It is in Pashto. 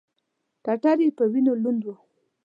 ټټر یې په وینو لوند و.